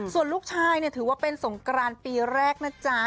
ส่วนลูกชายถือว่าเป็นสงกรานปีแรกนะจ๊ะ